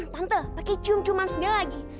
tante pakai cium ciuman segala lagi